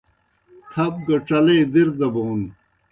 تھپ گہ ڇلے دِر دہ بون